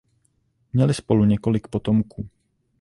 Měli spolu několik potomků.